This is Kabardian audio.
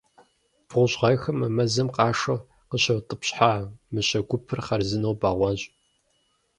БгъущӀ гъэхэм мы мэзым къашэу къыщӏаутӏыпщхьа мыщэ гупыр хъарзынэу бэгъуащ.